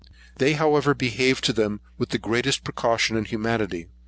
They, however, behaved to them with great precaution and humanity.